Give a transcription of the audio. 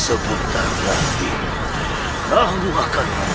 aku tidak mungkin mengalahkannya